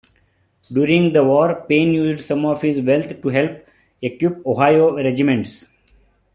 During the war, Payne used some of his wealth to help equip Ohio regiments.